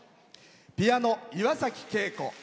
ピアノ、岩崎恵子。